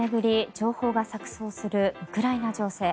情報が錯そうするウクライナ情勢。